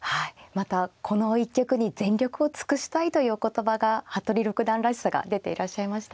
またこの一局に全力を尽くしたいというお言葉が服部六段らしさが出ていらっしゃいましたね。